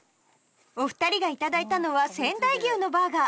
お二人がいただいたのは仙台牛のバーガー